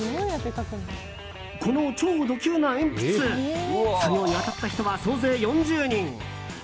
この超ド級な鉛筆作業に当たった人は総勢４０人。